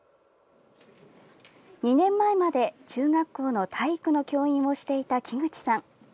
２年前まで、中学校の体育の教員をしていた木口さん。